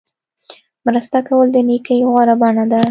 مرسته کول د نیکۍ غوره بڼه ده.